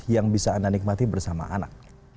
yang bisa anda nikmati bersama anak